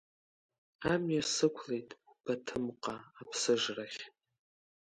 Амҩа сықәлеит Баҭымҟа, аԥсыжрахь.